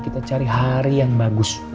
kita cari hari yang bagus